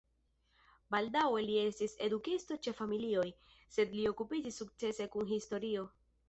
Baldaŭe li estis edukisto ĉe familioj, sed li okupiĝis sukcese kun historio.